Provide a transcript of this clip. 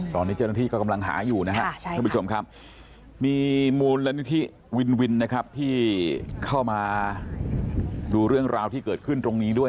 ตอนนี้เจาะนักที่กำลังหาอยู่มีมูลนิธิวินวินที่เข้ามาดูเรื่องราวที่เกิดขึ้นตรงนี้ด้วย